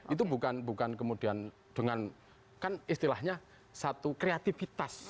itu bukan kemudian dengan kan istilahnya satu kreativitas